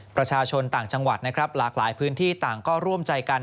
ประชาชนต่างจังหวัดนะครับหลากหลายพื้นที่ต่างก็ร่วมใจกัน